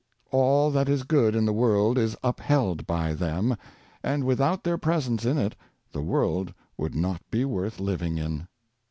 All that is good in the world is upheld by them, and without their presence in it the world would not be worth living in.